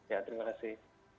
ya terima kasih